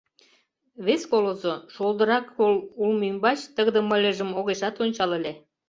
Вес колызо, шолдыра кол улмо ӱмбач, тыгыде мыльыжым огешат ончал ыле...